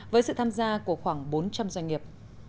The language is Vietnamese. với sự tham gia của khoảng bốn trăm linh doanh nghiệp